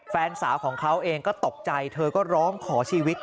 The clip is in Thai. แฟนสาวของเขาเองก็ตกใจเธอก็ร้องขอชีวิต